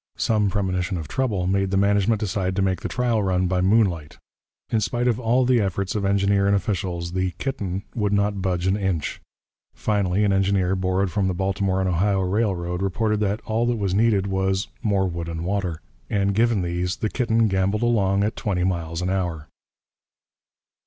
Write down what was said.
Some premonition of trouble made the management decide to make the trial run by moonlight. In spite of all the efforts of engineer and officials, the Kitten would not budge an inch. Finally an engineer, borrowed from the Baltimore and Ohio Railroad, reported that all that was needed was 'more wood and water,' and given these the Kitten gambolled along at twenty miles an hour.